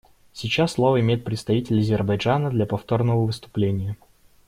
Сейчас слово имеет представитель Азербайджана для повторного выступления.